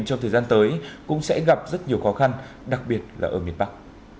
trong thời gian tới cũng sẽ gặp rất nhiều khó khăn đặc biệt là ở miền bắc